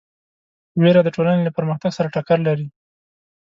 وېره د ټولنې له پرمختګ سره ټکر لري.